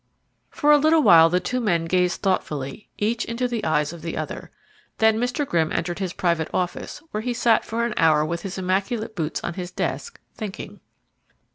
For a little while the two men gazed thoughtfully, each into the eyes of the other, then Mr. Grimm entered his private office where he sat for an hour with his immaculate boots on his desk, thinking.